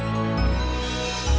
kita makan malam